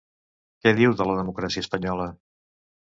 Què diu de la democràcia espanyola?